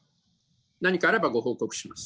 何かあればご報告します。